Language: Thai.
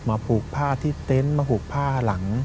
ผูกผ้าที่เต็นต์มาผูกผ้าหลัง